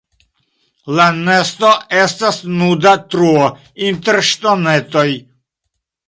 La nesto estas nuda truo inter ŝtonetoj.